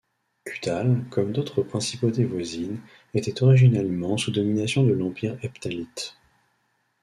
Khuttal, comme d'autres principautés voisines, était originellement sous domination de l'empire hephtalite.